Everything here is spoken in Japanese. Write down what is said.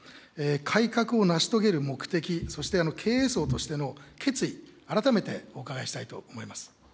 改革を成し遂げる目的、そして経営層としての決意、改めてお伺いしたいと思います。